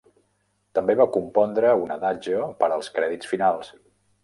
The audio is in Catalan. També va compondre un adagio per als crèdits finals.